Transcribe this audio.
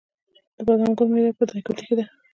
د بادام ګل میله په دایکنډي کې ده.